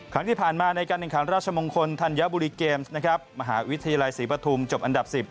ครั้งที่ผ่านมาในการแข่งขันราชมงคลธัญบุรีเกมส์นะครับมหาวิทยาลัยศรีปฐุมจบอันดับ๑๐